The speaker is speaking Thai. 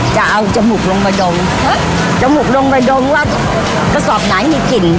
จะเอาจมูกลงมาดมเฮ้ยจมูกลงไปดมว่ากระสอบไหนมีกลิ่น